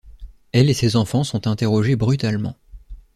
Elle et ses enfants sont interrogés brutalement.